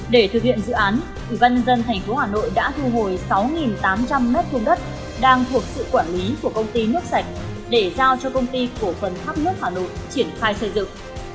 để thực hiện dự án ủy ban nhân dân tp hà nội đã thu hồi sáu tám trăm linh mét thương đất đang thuộc sự quản lý của công ty nước sạch để giao cho công ty cổ phần tháp nước hà nội triển khai xây dựng